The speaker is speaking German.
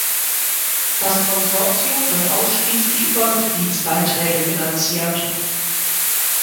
Das Konsortium wird ausschließlich über Mitgliedsbeiträge finanziert.